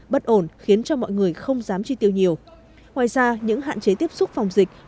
bất ổn khiến cho mọi người không dám chi tiêu nhiều ngoài ra những hạn chế tiếp xúc phòng dịch